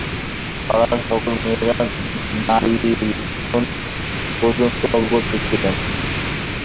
পাড়ার সকল মেয়ের নাড়ীনক্ষত্র পর্যন্ত অবগত ছিলেন।